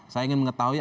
saya ingin mengetahui